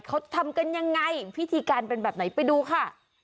เขาทำกันยังไงพิธีการเป็นแบบไหนไปดูค่ะ